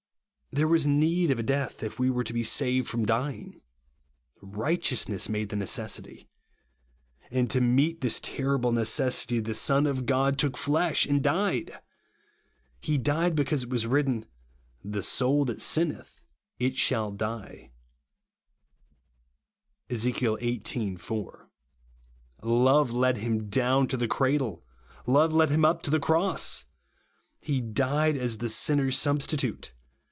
There was need of a death, if we were to be saved from dying. Righteous ness made the necessity. And, to meet this terrible necessity, the Son of God took flesh and died I He died, because it was written, "The soul that sinneth, it shall die," (Ezek. xviii. 4). Love led him down to the cradle ; love led him up to the cross ! He died as the sinner's substitute.